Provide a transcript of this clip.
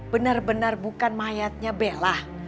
bener bener bukan mayatnya bella